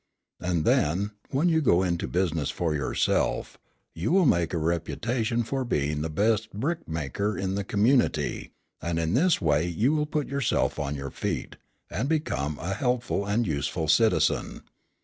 And then, when you go into business for yourself, you will make a reputation for being the best brick maker in the community; and in this way you will put yourself on your feet, and become a helpful and useful citizen.